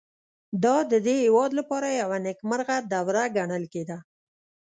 دا د دې هېواد لپاره یوه نېکمرغه دوره ګڼل کېده